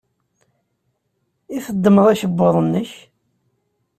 I teddmeḍ akebbuḍ-nnek?